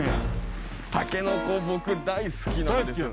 たけのこ僕大好きなんですよ。